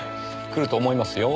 くると思いますよ。